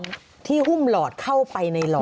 มันเจาะที่หุ้มหลอดเข้าไปในหลอด